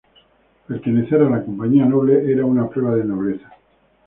Pertenecer a la Compañía Noble era una prueba de nobleza.